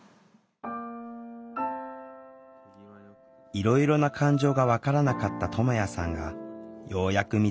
いろいろな感情が分からなかったともやさんがようやく見つけた感情。